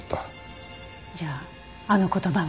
じゃああの言葉は。